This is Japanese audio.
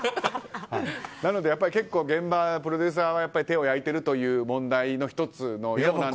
なので結構現場やプロデューサーは手を焼いている問題の１つのようなんです。